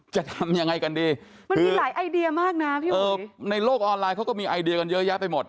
จะทำยังไงกันดีมันมีหลายไอเดียมากนะพี่เออในโลกออนไลน์เขาก็มีไอเดียกันเยอะแยะไปหมด